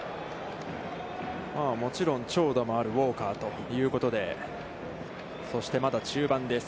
もちろん長打もあるウォーカーということで、そして、まだ中盤です。